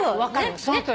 そのとおり。